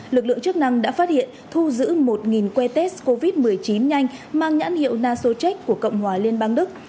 lực lượng chức năng đã phát hiện thu giữ một que test covid một mươi chín nhanh mang nhãn hiệu nasochek của cộng hòa liên bang đức